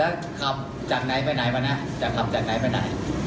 แล้วขับจากไหนไปไหนมานะจะขับจากไหนไปไหน